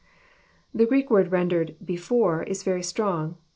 The Greek word rendered " before," is very strong.